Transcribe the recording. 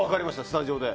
スタジオで。